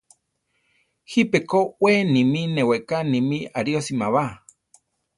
Jipe ko we nimí neweká nimí ariósima ba.